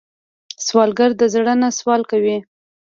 سوالګر د زړه نه سوال کوي